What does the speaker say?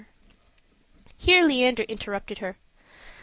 Here Leander interrupted her.